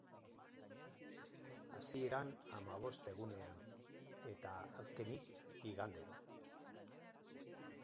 Hasieran, hamabost egunean; eta azkenik, igandero.